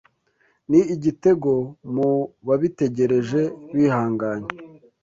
Ni igitego mu babitegereje bihanganye